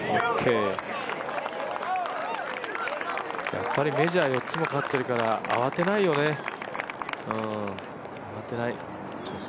やっぱりメジャー４つも勝ってるから慌てないよね、慌てない。